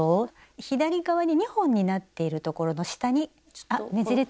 左側に２本になっているところの下にあっねじれちゃった？